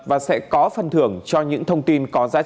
và sẽ có phần thưởng cho những thông tin có giá trị